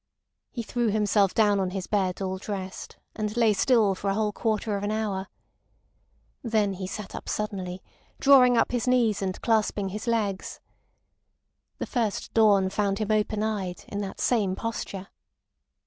He threw himself down on his bed all dressed, and lay still for a whole quarter of an hour. Then he sat up suddenly, drawing up his knees, and clasping his legs. The first dawn found him open eyed, in that same posture.